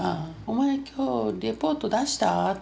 「お前今日レポート出した？」とか。